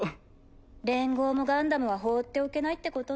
連合もガンダムは放っておけないってことね。